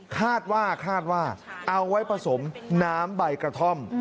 คาดว่าเอาไว้ผสมน้ำใบกระท่อม